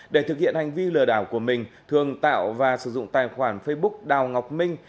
để thực hiện hành vi lừa đảo của mình thường tạo và sử dụng tài khoản facebook đào ngọc minh